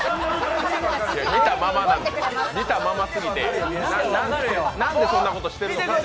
見たまますぎて、何でそんなことしてるのかを。